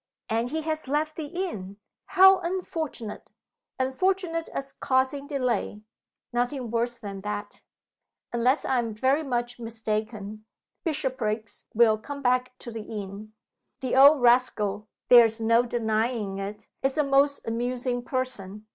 "And he has left the inn! How unfortunate!" "Unfortunate as causing delay nothing worse than that. Unless I am very much mistaken, Bishopriggs will come back to the inn. The old rascal (there is no denying it) is a most amusing person.